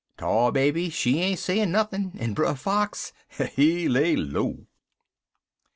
Tar Baby, she ain't sayin' nuthin', en Brer Fox, he lay low.